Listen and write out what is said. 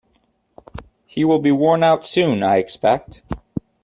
He will be worn out soon, I expect.